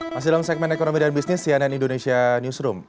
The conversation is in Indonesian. masih dalam segmen ekonomi dan bisnis cnn indonesia newsroom